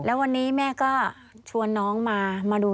และวันนี้แม่ก็ชวนน้องมา